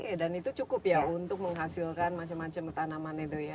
oke dan itu cukup ya untuk menghasilkan macam macam tanaman itu ya